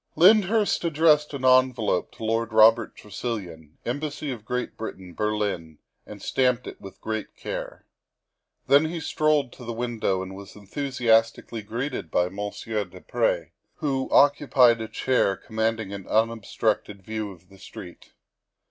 Lyndhurst addressed an envelope to Lord Robert Tresilian, Embassy of Great Britain, Berlin, and stamped it with great care. Then he strolled to the window and was enthusiastically greeted by Monsieur du Pre, who occupied a chair commanding an unob structed view of the street.